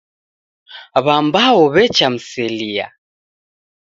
W'ambao w'echamselia.